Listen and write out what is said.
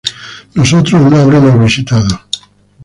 Nosotros no habremos visitado